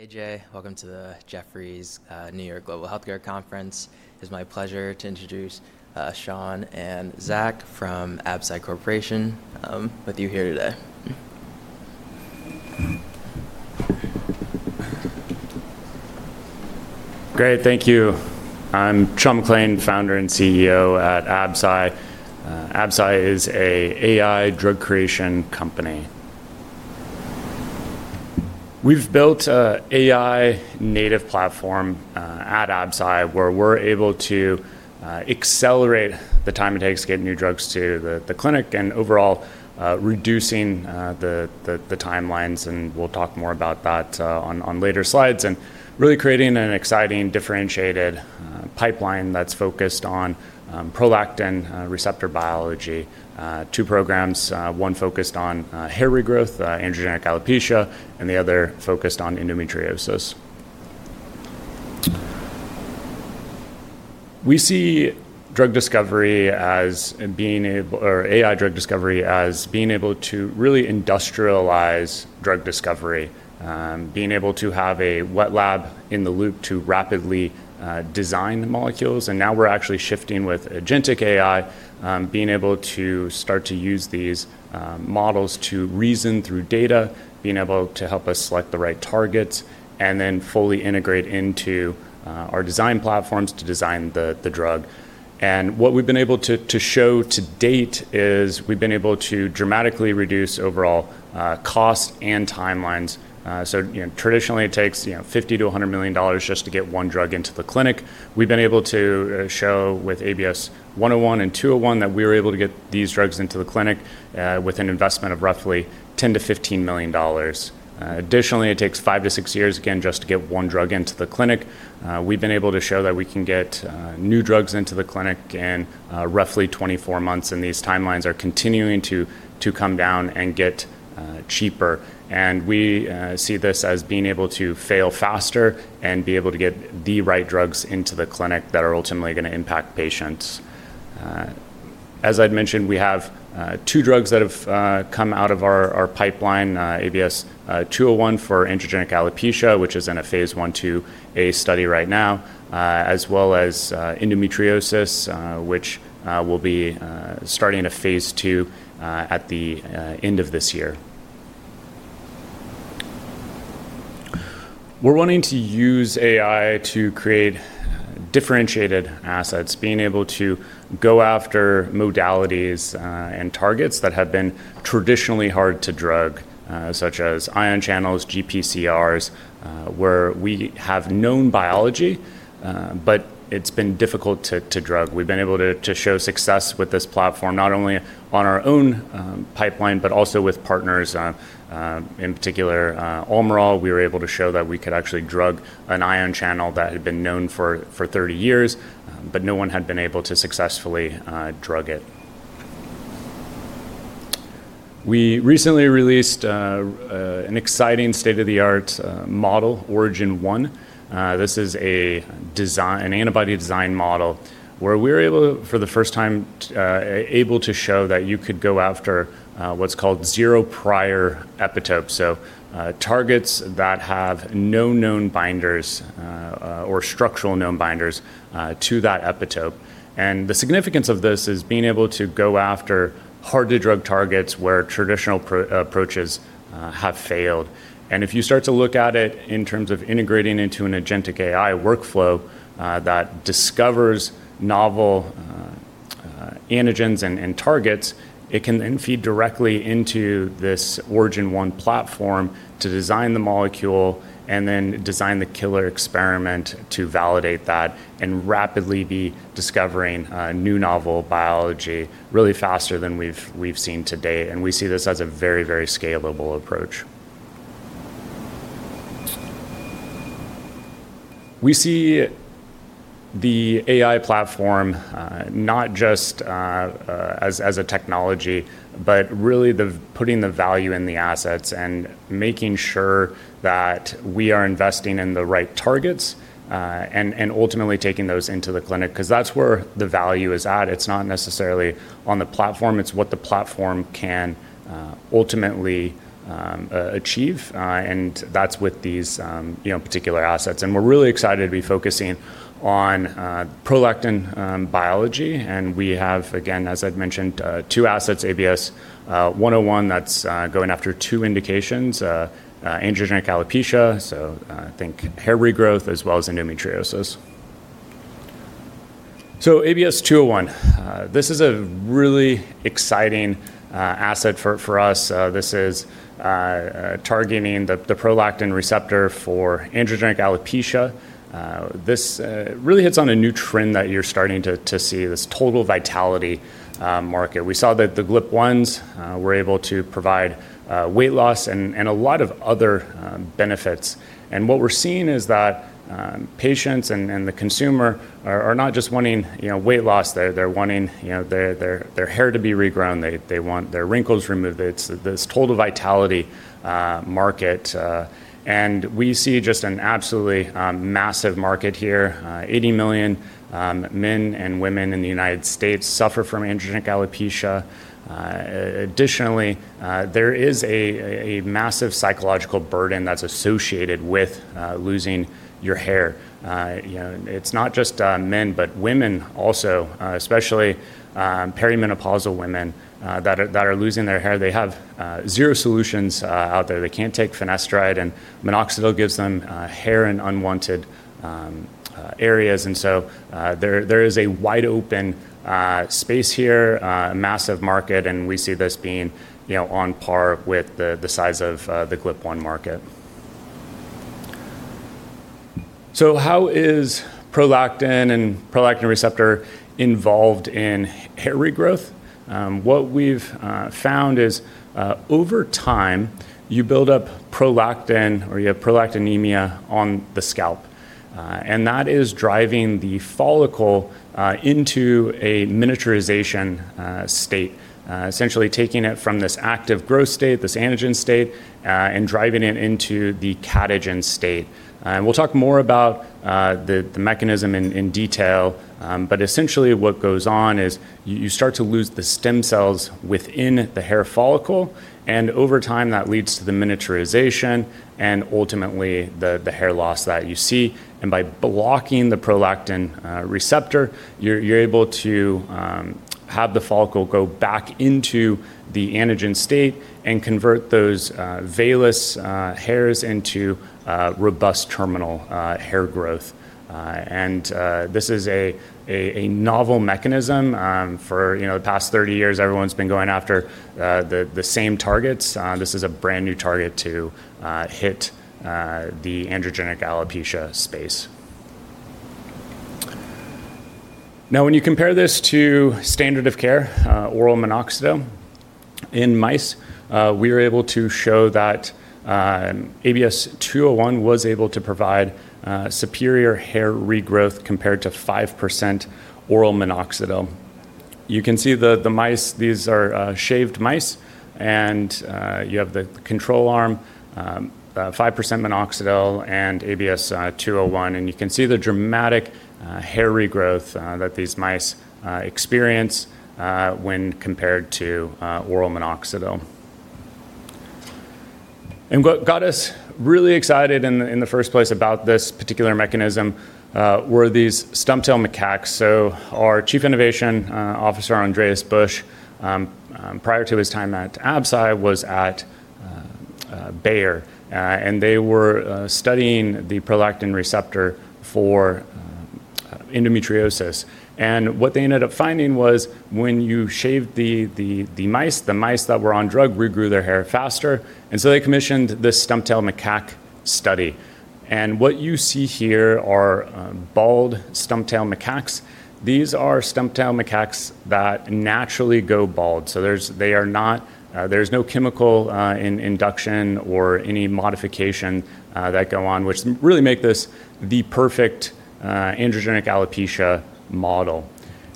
AJ, welcome to the Jefferies New York Global Healthcare Conference. It's my pleasure to introduce Sean and Zach from Absci Corporation with you here today. Great. Thank you. I'm Sean McClain, Founder and CEO at Absci. Absci is a AI drug creation company. We've built a AI native platform at Absci, where we're able to accelerate the time it takes to get new drugs to the clinic and overall reducing the timelines, and we'll talk more about that on later slides, and really creating an exciting differentiated pipeline that's focused on prolactin receptor biology. Two programs, one focused on hair regrowth, androgenetic alopecia, and the other focused on endometriosis. We see AI drug discovery as being able to really industrialize drug discovery, being able to have a wet lab in the loop to rapidly design molecules. Now we're actually shifting with agentic AI, being able to start to use these models to reason through data, being able to help us select the right targets, and then fully integrate into our design platforms to design the drug. What we've been able to show to date is we've been able to dramatically reduce overall cost and timelines. Traditionally it takes $50 million-$100 million just to get one drug into the clinic. We've been able to show with ABS-101 and ABS-201 that we are able to get these drugs into the clinic with an investment of roughly $10 million-$15 million. Additionally, it takes five to six years, again, just to get one drug into the clinic. We've been able to show that we can get new drugs into the clinic in roughly 24 months, these timelines are continuing to come down and get cheaper. We see this as being able to fail faster and be able to get the right drugs into the clinic that are ultimately going to impact patients. As I'd mentioned, we have two drugs that have come out of our pipeline, ABS-201 for androgenetic alopecia, which is in a phase I/II-A study right now, as well as endometriosis, which will be starting in a phase II at the end of this year. We're wanting to use AI to create differentiated assets, being able to go after modalities and targets that have been traditionally hard to drug, such as ion channels, GPCRs, where we have known biology, but it's been difficult to drug. We've been able to show success with this platform, not only on our own pipeline, but also with partners, in particular Almirall. We were able to show that we could actually drug an ion channel that had been known for 30 years, but no one had been able to successfully drug it. We recently released an exciting state-of-the-art model, Origin-1. This is an antibody design model where we were able, for the first time, to show that you could go after what's called zero-prior epitopes. Targets that have no known binders or structural known binders to that epitope. The significance of this is being able to go after hard-to-drug targets where traditional approaches have failed. If you start to look at it in terms of integrating into an agentic AI workflow that discovers novel antigens and targets, it can then feed directly into this Origin-1 platform to design the molecule and then design the killer experiment to validate that and rapidly be discovering new novel biology really faster than we've seen to date. We see this as a very scalable approach. We see the AI platform not just as a technology, but really putting the value in the assets and making sure that we are investing in the right targets, and ultimately taking those into the clinic, because that's where the value is at. It's not necessarily on the platform, it's what the platform can ultimately achieve, and that's with these particular assets. We're really excited to be focusing on prolactin biology, and we have, again, as I'd mentioned, two assets, ABS-101, that's going after two indications, androgenetic alopecia, so think hair regrowth, as well as endometriosis. ABS-201. This is a really exciting asset for us. This is targeting the prolactin receptor for androgenetic alopecia. This really hits on a new trend that you're starting to see, this total vitality market. We saw that the GLP-1s were able to provide weight loss and a lot of other benefits. What we're seeing is that patients and the consumer are not just wanting weight loss. They're wanting their hair to be regrown. They want their wrinkles removed. It's this total vitality market. We see just an absolutely massive market here. 80 million men and women in the U.S. suffer from androgenetic alopecia. Additionally, there is a massive psychological burden that's associated with losing your hair. It's not just men, but women also, especially perimenopausal women that are losing their hair. They have zero solutions out there. They can't take finasteride, and minoxidil gives them hair in unwanted areas, and so there is a wide open space here, a massive market, and we see this being on par with the size of the GLP-1 market. How is prolactin and prolactin receptor involved in hair regrowth? What we've found is, over time, you build up prolactin or you have prolactinemia on the scalp. That is driving the follicle into a miniaturization state, essentially taking it from this active growth state, this anagen state, and driving it into the catagen state. We'll talk more about the mechanism in detail. Essentially what goes on is you start to lose the stem cells within the hair follicle, and over time, that leads to the miniaturization and ultimately the hair loss that you see. By blocking the prolactin receptor, you're able to have the follicle go back into the anagen state and convert those vellus hairs into robust terminal hair growth. This is a novel mechanism. For the past 30 years, everyone's been going after the same targets. This is a brand new target to hit the androgenetic alopecia space. When you compare this to standard of care, oral minoxidil in mice, we were able to show that ABS-201 was able to provide superior hair regrowth compared to 5% oral minoxidil. You can see the mice. These are shaved mice. You have the control arm, 5% minoxidil, and ABS-201. You can see the dramatic hair regrowth that these mice experience when compared to oral minoxidil. What got us really excited in the first place about this particular mechanism were these stump-tailed macaques. Our Chief Innovation Officer, Andreas Busch, prior to his time at Absci, was at Bayer. They were studying the prolactin receptor for endometriosis. What they ended up finding was when you shaved the mice, the mice that were on drug regrew their hair faster. They commissioned this stump-tailed macaque study. What you see here are bald stump-tailed macaques. These are stump-tailed macaques that naturally go bald. There's no chemical induction or any modification that go on, which really make this the perfect androgenetic alopecia model.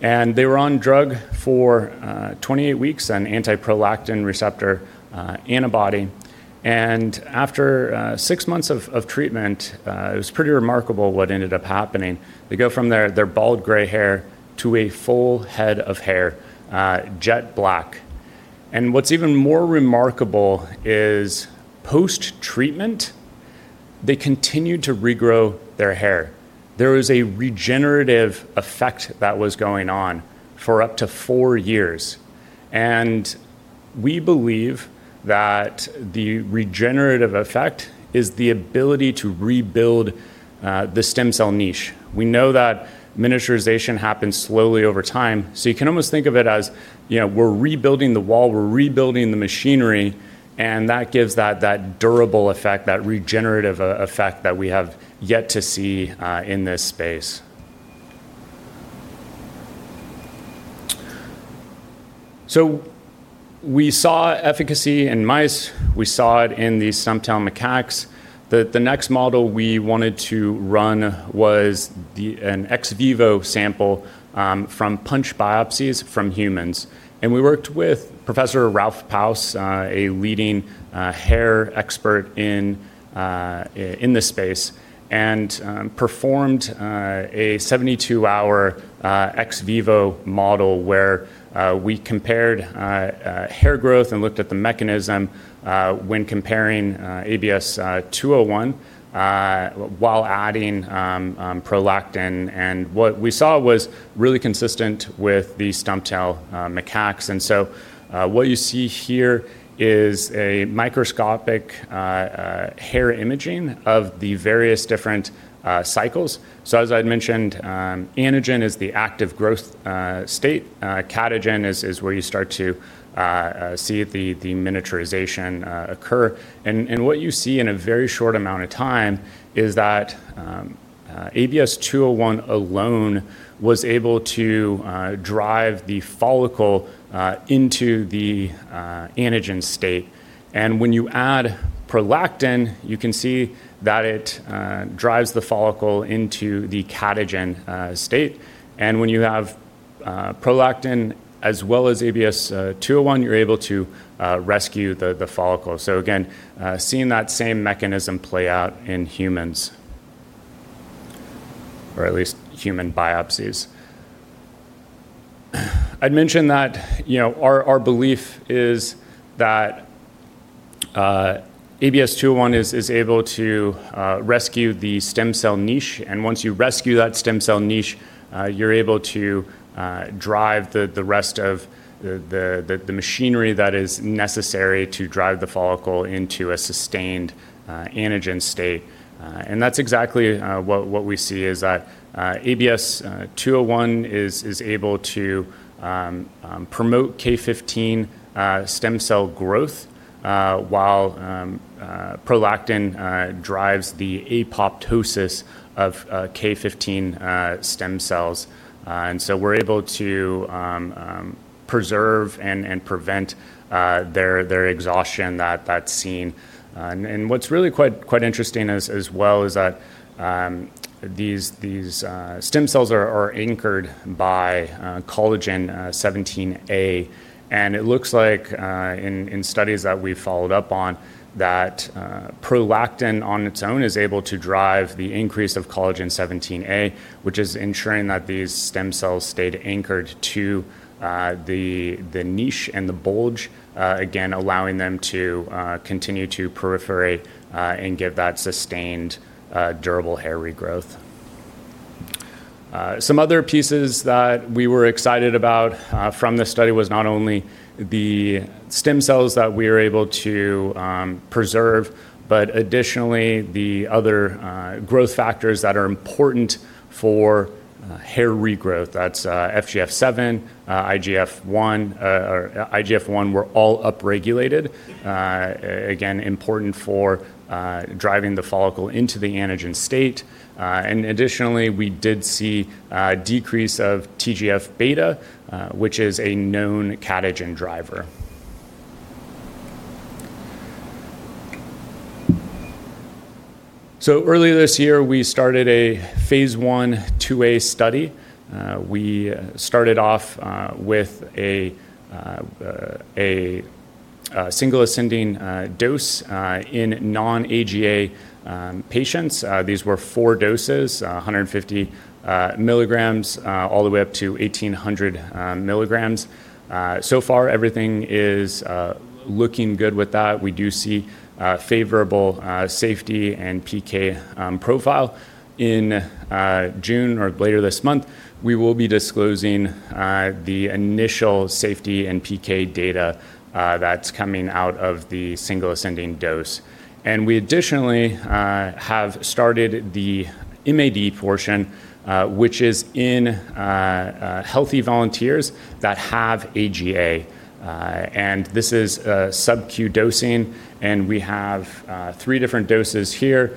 They were on drug for 28 weeks, an anti-prolactin receptor antibody. After six months of treatment, it was pretty remarkable what ended up happening. They go from their bald gray hair to a full head of hair, jet black. What's even more remarkable is post-treatment, they continued to regrow their hair. There was a regenerative effect that was going on for up to four years. We believe that the regenerative effect is the ability to rebuild the stem cell niche. We know that miniaturization happens slowly over time, so you can almost think of it as we're rebuilding the wall, we're rebuilding the machinery, and that gives that durable effect, that regenerative effect that we have yet to see in this space. We saw efficacy in mice, we saw it in these stump-tailed macaques. The next model we wanted to run was an ex vivo sample from punch biopsies from humans. We worked with Professor Ralf Paus, a leading hair expert in this space, and performed a 72-hour ex vivo model where we compared hair growth and looked at the mechanism when comparing ABS-201 while adding prolactin. What we saw was really consistent with the stump-tailed macaques. What you see here is a microscopic hair imaging of the various different cycles. As I'd mentioned, anagen is the active growth state. Catagen is where you start to see the miniaturization occur. What you see in a very short amount of time is that ABS-201 alone was able to drive the follicle into the anagen state. When you add prolactin, you can see that it drives the follicle into the catagen state. When you have prolactin as well as ABS-201, you're able to rescue the follicle. Again, seeing that same mechanism play out in humans, or at least human biopsies. I'd mention that our belief is that ABS-201 is able to rescue the stem cell niche. Once you rescue that stem cell niche, you're able to drive the rest of the machinery that is necessary to drive the follicle into a sustained anagen state. That's exactly what we see is that ABS-201 is able to promote K15 stem cell growth while prolactin drives the apoptosis of K15 stem cells. We're able to preserve and prevent their exhaustion, that's seen. What's really quite interesting as well is that these stem cells are anchored by collagen XVII, and it looks like in studies that we've followed up on, that prolactin on its own is able to drive the increase of collagen XVII, which is ensuring that these stem cells stayed anchored to the niche and the bulge, again, allowing them to continue to proliferate and give that sustained, durable hair regrowth. Some other pieces that we were excited about from this study was not only the stem cells that we are able to preserve, but additionally, the other growth factors that are important for hair regrowth. That's FGF7, IGF-1, were all upregulated. Again, important for driving the follicle into the anagen state. Additionally, we did see a decrease of TGF-β, which is a known catagen driver. Earlier this year, we started a phase I/II-A study. We started off with a single ascending dose in non-AGA patients. These were four doses, 150 mg, all the way up to 1,800 mg. Far, everything is looking good with that. We do see a favorable safety and PK profile. In June or later this month, we will be disclosing the initial safety and PK data that's coming out of the single ascending dose. We additionally have started the MAD portion, which is in healthy volunteers that have AGA, and this is sub-Q dosing, and we have 3 different doses here,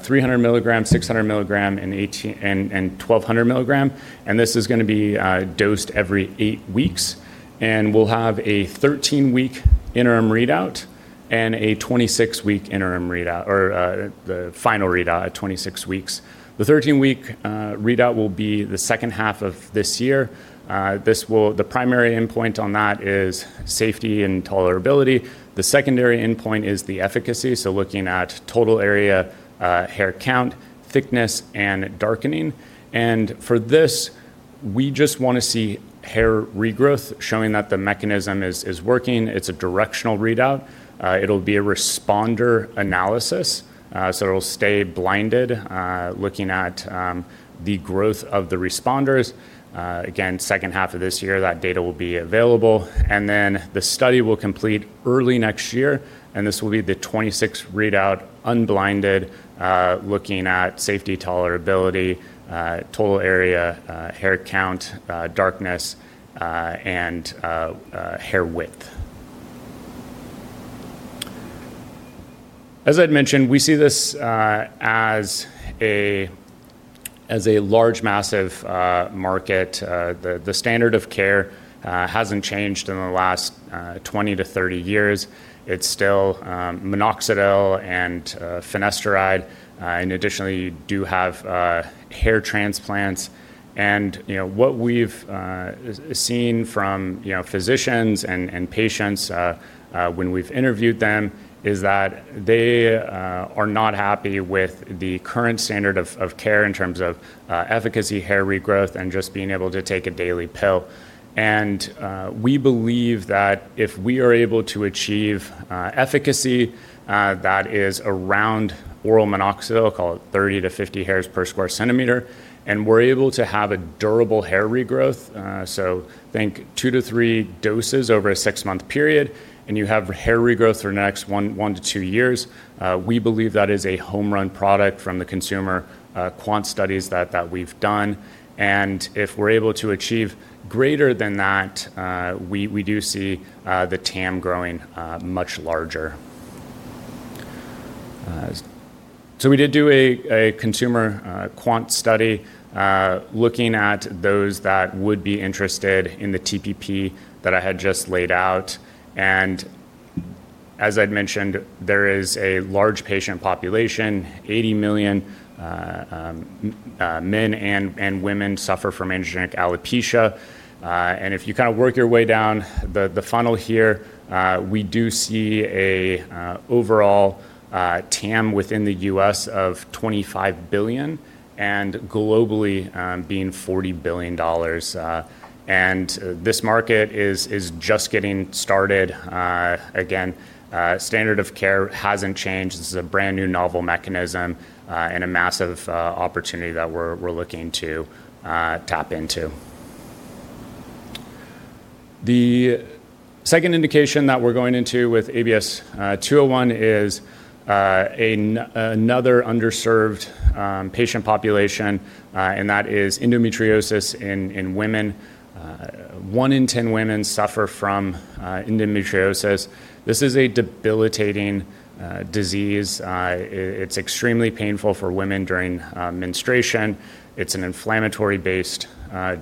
300 mg, 600 mg, and 1,200 mg. This is going to be dosed every eight weeks. We'll have a 13-week interim readout and a 26-week interim readout or the final readout at 26 weeks. The 13-week readout will be the second half of this year. The primary endpoint on that is safety and tolerability. The secondary endpoint is the efficacy, so looking at total area, hair count, thickness, and darkening. For this, we just want to see hair regrowth showing that the mechanism is working. It's a directional readout. It'll be a responder analysis, so it'll stay blinded, looking at the growth of the responders. Again, second half of this year, that data will be available. Then the study will complete early next year, and this will be the 26 readout, unblinded, looking at safety tolerability, total area, hair count, darkness, and hair width. As I'd mentioned, we see this as a large, massive market. The standard of care hasn't changed in the last 20-30 years. It's still minoxidil and finasteride, and additionally, do have hair transplants. What we've seen from physicians and patients when we've interviewed them is that they are not happy with the current standard of care in terms of efficacy, hair regrowth, and just being able to take a daily pill. We believe that if we are able to achieve efficacy that is around oral minoxidil, call it 30-50 hairs per square centimeter, and we're able to have a durable hair regrowth, so think two to three doses over a six-month period, and you have hair regrowth for the next one to two years, we believe that is a home run product from the consumer quant studies that we've done. If we're able to achieve greater than that, we do see the TAM growing much larger. We did do a consumer quant study looking at those that would be interested in the TPP that I had just laid out. As I'd mentioned, there is a large patient population, 80 million men and women suffer from androgenetic alopecia. If you work your way down the funnel here, we do see an overall TAM within the U.S. of $25 billion and globally being $40 billion. This market is just getting started. Again, standard of care hasn't changed. This is a brand-new novel mechanism and a massive opportunity that we're looking to tap into. The second indication that we're going into with ABS-201 is another underserved patient population, and that is endometriosis in women. One in 10 women suffer from endometriosis. This is a debilitating disease. It's extremely painful for women during menstruation. It's an inflammatory-based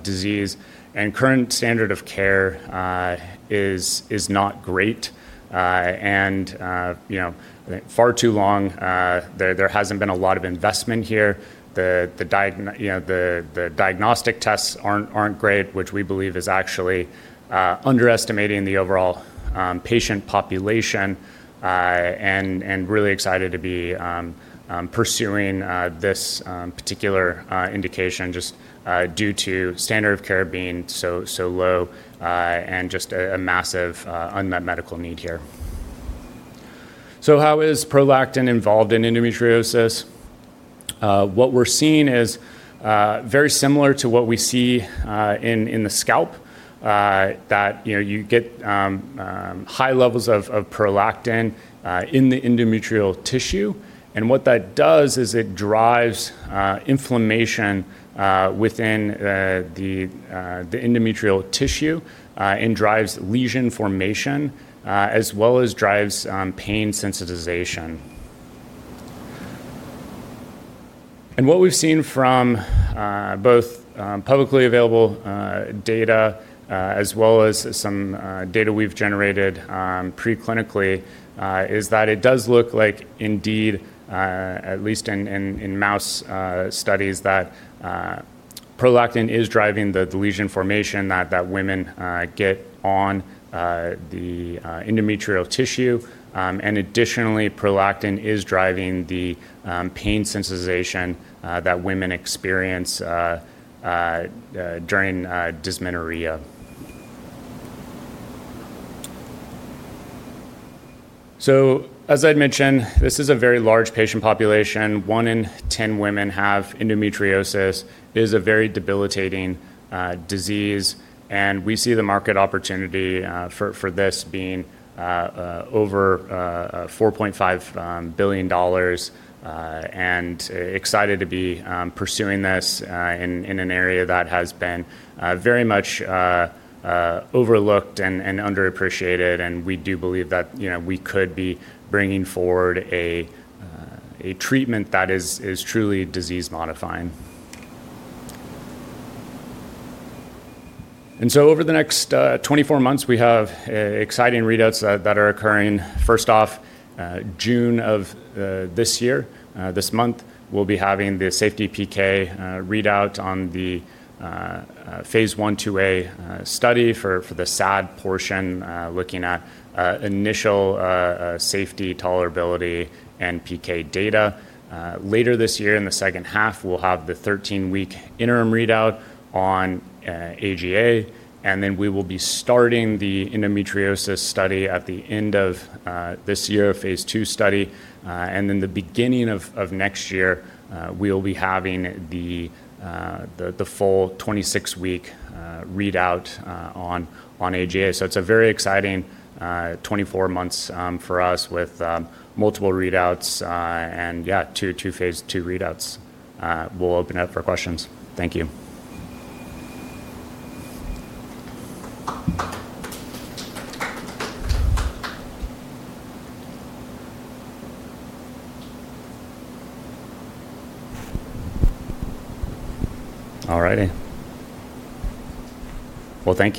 disease, and current standard of care is not great. Far too long there hasn't been a lot of investment here. The diagnostic tests aren't great, which we believe is actually underestimating the overall patient population. Really excited to be pursuing this particular indication just due to standard of care being so low, and just a massive unmet medical need here. How is prolactin involved in endometriosis? What we're seeing is very similar to what we see in the scalp. That you get high levels of prolactin in the endometrial tissue. What that does is it drives inflammation within the endometrial tissue and drives lesion formation, as well as drives pain sensitization. What we've seen from both publicly available data as well as some data we've generated pre-clinically, is that it does look like indeed, at least in mouse studies, that prolactin is driving the lesion formation that women get on the endometrial tissue. Additionally, prolactin is driving the pain sensitization that women experience during dysmenorrhea. As I'd mentioned, this is a very large patient population. One in 10 women have endometriosis. It is a very debilitating disease, and we see the market opportunity for this being over $4.5 billion. Excited to be pursuing this in an area that has been very much overlooked and underappreciated, and we do believe that we could be bringing forward a treatment that is truly disease modifying. Over the next 24 months, we have exciting readouts that are occurring. First off, June of this year, this month, we'll be having the safety PK readout on the phase I/II-A study for the SAD portion, looking at initial safety tolerability and PK data. Later this year, in the second half, we'll have the 13-week interim readout on AGA. Then we will be starting the endometriosis study at the end of this year, a phase II study. In the beginning of next year, we will be having the full 26-week readout on AGA. It's a very exciting 24 months for us with multiple readouts and yeah, two phase II readouts. We'll open it up for questions. Thank you. All righty. Well, thank you--